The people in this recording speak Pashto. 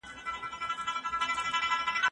هیڅوک باید د خپل سیاسي نظر له امله بې برخي نه سي.